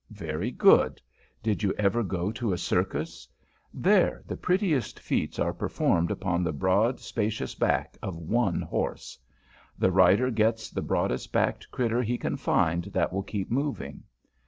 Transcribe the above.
Very good. Did you ever go to a circus? There the prettiest feats are performed upon the broad, spacious back of one horse. The rider gets the broadest backed critter he can find that will keep moving.